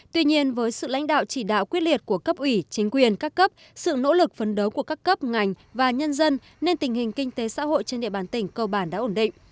tuy nhiên với sự lãnh đạo chỉ đạo quyết liệt của cấp ủy chính quyền các cấp sự nỗ lực phấn đấu của các cấp ngành và nhân dân nên tình hình kinh tế xã hội trên địa bàn tỉnh cơ bản đã ổn định